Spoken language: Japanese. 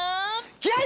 気合い！